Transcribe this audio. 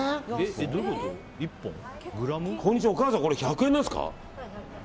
こんにちは、お母さんこれ１００円ですか。